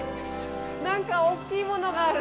何か大きいものがある。